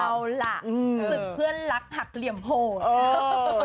เอาล่ะศึกเพื่อนรักหักเหลี่ยมโหด